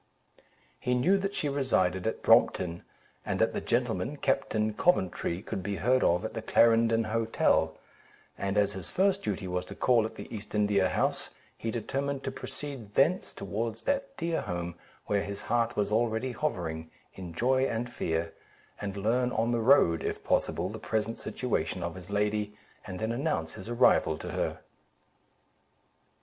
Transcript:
He knew that she resided at Brompton, and that the gentleman, Captain Coventry, could be heard of at the Clarendon Hotel; and as his first duty was to call at the East India House, he determined to proceed thence towards that dear home, where his heart was already hovering, in joy and fear, and learn on the road, if possible, the present situation of his lady, and then announce his arrival to her.